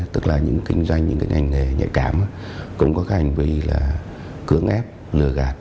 tức là những kinh doanh những ngành nghề nhạy cảm cũng có hành vi là cưỡng ép lừa gạt